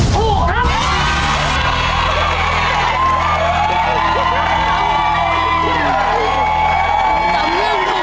ถูกครับ